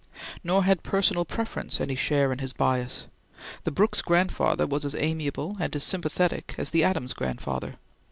Nor had personal preference any share in his bias. The Brooks grandfather was as amiable and as sympathetic as the Adams grandfather.